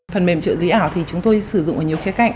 phần mềm trợ lý ảo thì chúng tôi sử dụng ở nhiều khía cạnh